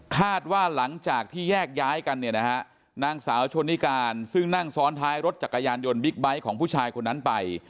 คาดว่าหลังจากที่แยกย้ายกันเนี่ยนะฮะนางสาวชนนิการซึ่งนั่งซ้อนท้ายรถจักรยานยนต์บิ๊กไบท์ของผู้ชายคนนั้นไป